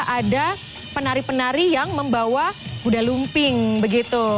ada penari penari yang membawa budalumping begitu